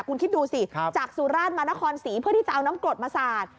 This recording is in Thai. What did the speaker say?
คุณคิดดูสิจากสุราชมานครศรีเพื่อที่จะเอาน้ำกรดมาสาด